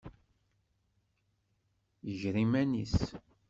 Yeggar iman-is.